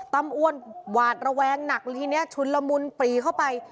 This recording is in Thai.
อ้วนหวาดระแวงหนักเลยทีนี้ชุนละมุนปรีเข้าไป